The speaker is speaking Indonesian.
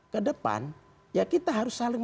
kedepan ya kita harus saling